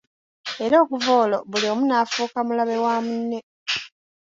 Era okuva olwo buli omu n'afuuka mulabe wa mune!